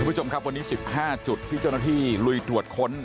คุณผู้ชมครับวันนี้๑๕จุดที่เจ้าหน้าที่ลุยตรวจค้น